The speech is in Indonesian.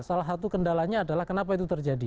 salah satu kendalanya adalah kenapa itu terjadi